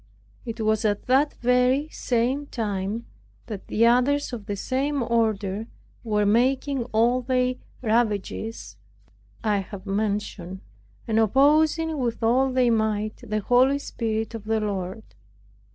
It was at the very same time, that the others of the same order were making all the ravages I have mentioned, and opposing with all their might the Holy Spirit of the Lord.